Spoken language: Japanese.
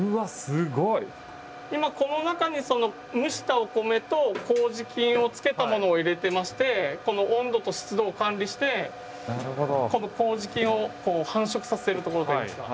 今この中に蒸したお米とこうじ菌を付けたものを入れてましてこの温度と湿度を管理してこうじ菌を繁殖させるところといいますか。